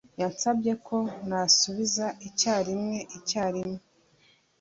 Yansabye ko nasubiza icyarimwe icyarimwe